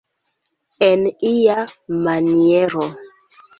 En ia maniero.